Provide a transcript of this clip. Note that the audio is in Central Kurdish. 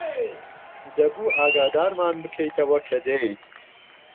دەبوو ئاگادارمان بکەیتەوە کە دێیت.